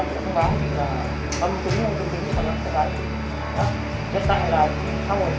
nhất tại là phân biến ở f không ra ngoài và có phản viên